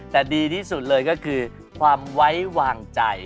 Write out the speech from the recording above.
แต่ดีที่สุดเลยก็คือความไว้วางใจ